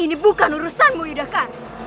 ini bukan urusanmu yudhaka